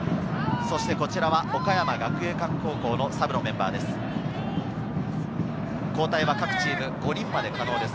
こちらは岡山学芸館高校のサブのメンバーです。